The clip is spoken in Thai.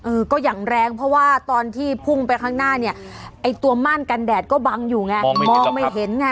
เออก็อย่างแรงเพราะว่าตอนที่พุ่งไปข้างหน้าเนี่ยไอ้ตัวม่านกันแดดก็บังอยู่ไงมองไม่เห็นไง